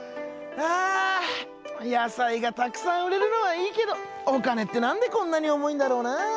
あやさいがたくさんうれるのはいいけどお金ってなんでこんなにおもいんだろうな。